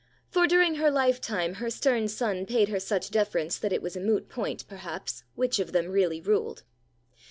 For during her life time her stern son paid her such deference that it was a moot point, perhaps, which of them really ruled.